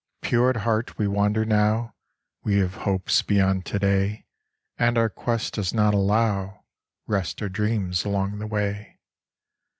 Pure at heart we wander now : We have hopes beyond to day ; And our quest does not allow Rest or dreams along the way.